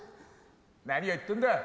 何を言ってんだ。